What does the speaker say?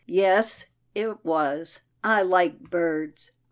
" Yes it was. I like birds."